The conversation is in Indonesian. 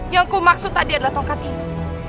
yang aku maksud tadi adalah tongkat ini